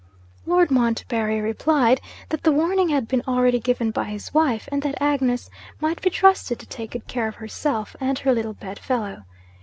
Lord Montbarry replied, that the warning had been already given by his wife, and that Agnes might be trusted to take good care of herself and her little bed fellow.